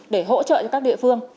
để hỗ trợ cho các địa phương